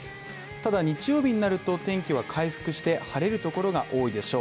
ただ日曜日になると天気は回復して晴れるところが多いでしょう。